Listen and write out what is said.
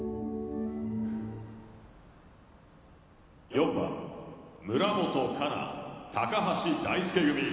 「４番村元哉中橋大輔組日本」。